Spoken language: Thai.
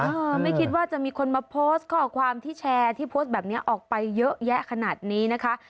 ไม่คิดว่าจะมีคนมาโพสต์ข้อความที่แชร์ที่โพสต์แบบนี้ออกไปเยอะแยะขนาดนี้นะคะ